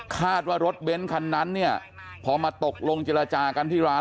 คาดว่ารถเบ้นคันนั้นเนี่ยพอมาตกลงเจรจากันที่ร้าน